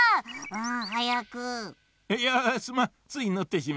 うん。